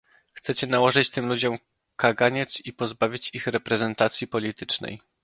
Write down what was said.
Chcecie nałożyć tym ludziom kaganiec i pozbawić ich reprezentacji politycznej